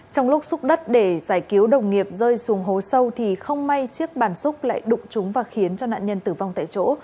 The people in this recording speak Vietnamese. trong lúc xúc đất để giải cứu đồng nghiệp rơi xuống hố sâu không may chiếc bàn xúc lại đụng chúng và khiến nạn nhân tử vong tại chỗ